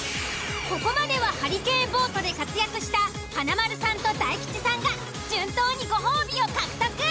ここまではハリケーンボートで活躍した華丸さんと大吉さんが順当にご褒美を獲得！